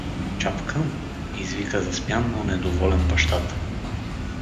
— Чапкън! — извика засмян, но недоволен бащата.